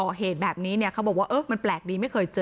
พี่สาวต้องเอาอาหารที่เหลืออยู่ในบ้านมาทำให้เจ้าหน้าที่เข้ามาช่วยเหลือ